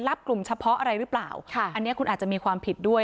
กลุ่มเฉพาะอะไรหรือเปล่าค่ะอันนี้คุณอาจจะมีความผิดด้วย